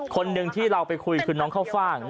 คนหนึ่งที่เราไปคุยคือน้องข้าวฟ่าง